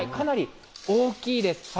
かなり大きいです。